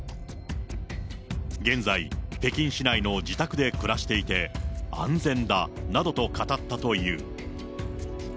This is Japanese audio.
現在、北京市内の自宅で暮らしていて、安全だなどと語ったという。